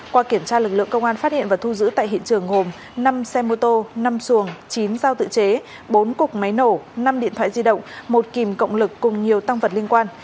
qua kiểm tra lực lượng công an phát hiện và thu giữ tại hiện trường gồm năm xe mô tô năm xuồng chín dao tự chế bốn cục máy nổ năm điện thoại di động một kìm cộng lực cùng nhiều tăng vật liên quan